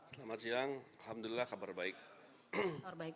selamat siang alhamdulillah kabar baik